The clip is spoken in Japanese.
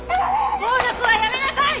暴力はやめなさい！